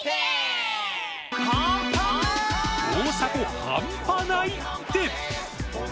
大迫半端ないって。